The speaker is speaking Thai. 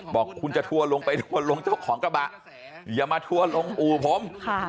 บอกคุณจะทัวร์ลงไปทัวร์ลงเจ้าของกระบะอย่ามาทัวร์ลงอู่ผม